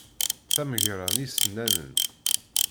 Tamegra s isennanen.